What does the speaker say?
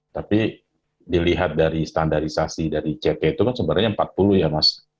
tapi dilihat dari standarisasi dari ct itu kan sebenarnya empat puluh ya mas